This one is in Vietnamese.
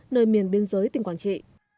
nơi miền biên giới tình quản trị